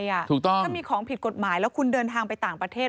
ถูกต้องถ้ามีของผิดกฎหมายแล้วคุณเดินทางไปต่างประเทศ